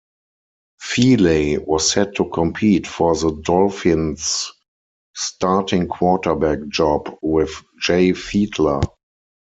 Feeley was set to compete for the Dolphins' starting quarterback job with Jay Fiedler.